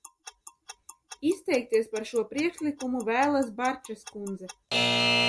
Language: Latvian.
Izteikties par šo priekšlikumu vēlas Barčas kundze.